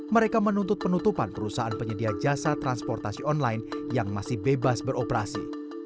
mereka menuntut penutupan perusahaan penyedia jasa transportasi online yang masih bebas beroperasi